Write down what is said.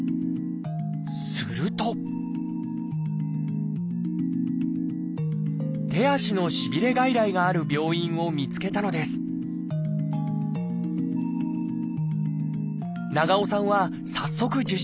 すると手足のしびれ外来がある病院を見つけたのです長尾さんは早速受診。